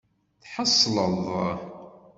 Tḥeṣleḍ?